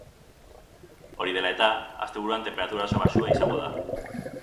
Hori dela eta, asteburuan tenperatura oso baxua izango da.